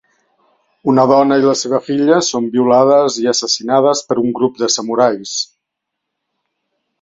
Una dona i la seva filla són violades i assassinades per un grup de samurais.